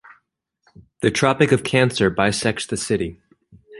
The Tropic of Cancer bisects the city.